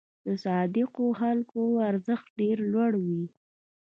د صادقو خلکو ارزښت ډېر لوړ وي.